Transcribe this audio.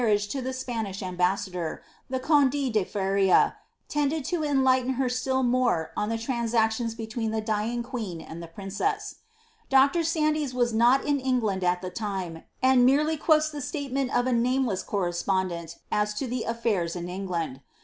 IIASSTH* sequent marrUge with the Spanish ambassador, the conde de tended to enlighten her still more on the transactions between the dying queen and the princess. Dr. Sandys was not in England at the timai and merely quotes the statement of a nameless correspondent as to the afl&irs in England.